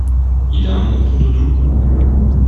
Il a un nom ton doudou?